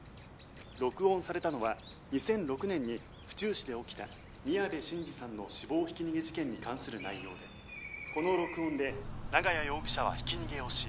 「録音されたのは２００６年に府中市で起きた宮部信二さんの死亡ひき逃げ事件に関する内容でこの録音で長屋容疑者はひき逃げをし」